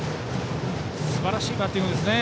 すばらしいバッティングですね。